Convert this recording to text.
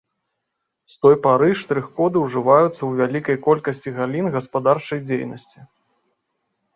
З той пары штрых-коды ўжываюцца ў вялікай колькасці галін гаспадарчай дзейнасці.